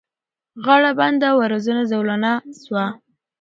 غاړه بنده وزرونه زولانه سوه